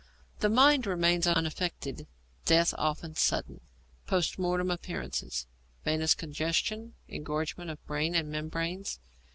The mind remains unaffected. Death often sudden. Post Mortem Appearances. Venous congestion, engorgement of brain and membranes.